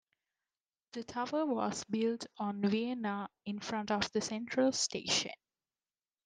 The tower was built on Weena in front of the Central station.